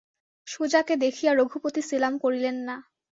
সুজাকে দেখিয়া রঘুপতি সেলাম করিলেন না।